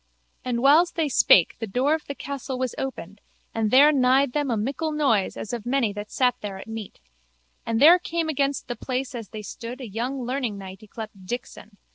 And whiles they spake the door of the castle was opened and there nighed them a mickle noise as of many that sat there at meat. And there came against the place as they stood a young learningknight yclept Dixon.